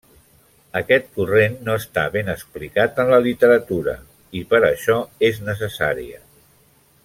Aquest corrent no està ben explicat en la literatura, i per això és necessària.